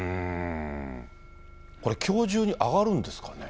これ、きょう中にあがるんですかね。